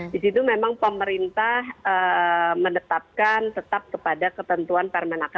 di situ memang pemerintah menetapkan tetap kepada ketentuan permena enam dua ribu enam belas tadi bahwa